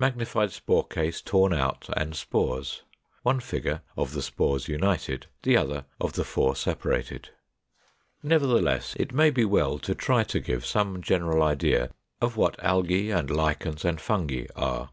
Magnified spore case torn out, and spores; one figure of the spores united; the other of the four separated.] 504. Nevertheless, it may be well to try to give some general idea of what Algæ and Lichens and Fungi are.